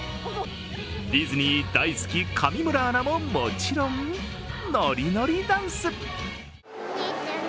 ディズニー大好き上村アナももちろんノリノリダンス！